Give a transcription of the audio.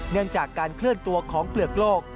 เนื่องจากการเคลื่อนตัวของเปลือกโลก